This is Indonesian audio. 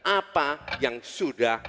apa yang sudah